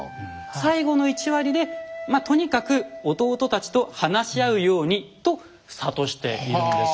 最後の１割でまあとにかく弟たちと話し合うようにと諭しているんです。